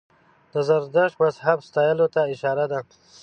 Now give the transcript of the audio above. د زردشت مذهب ستایلو ته اشاره ده.